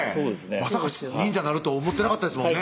まさか忍者なるとは思ってなかったですもんね